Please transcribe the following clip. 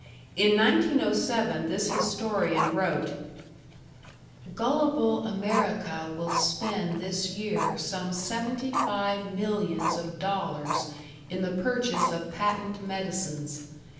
In 1907 this historian wrote: Gullible America will spend this year some seventy five millions of dollars in the purchase of patent medicines.